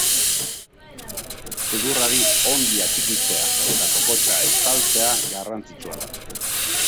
Sudurrari ongi atxikitzea eta kokotsa estaltzea garrantzitsua da.